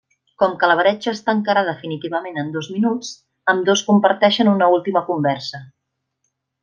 Com que la bretxa es tancarà definitivament en dos minuts, ambdós comparteixen una última conversa.